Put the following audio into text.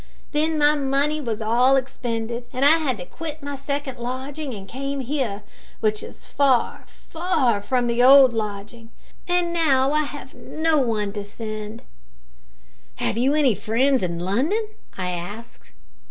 Then my money was all expended, and I had to quit my second lodging, and came here, which is far, far from the old lodging, and now I have no one to send." "Have you any friends in London?" I asked.